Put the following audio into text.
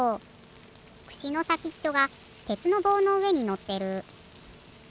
くしのさきっちょがてつのぼうのうえにのってる。